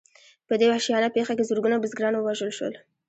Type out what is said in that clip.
په دې وحشیانه پېښه کې زرګونه بزګران ووژل شول.